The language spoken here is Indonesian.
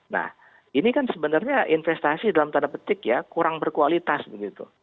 nah ini kan sebenarnya investasi dalam tanda petik ya kurang berkualitas begitu